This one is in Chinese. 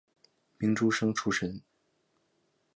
明诸生出身。